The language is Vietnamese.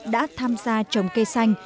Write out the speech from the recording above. đã tham gia trồng cây xanh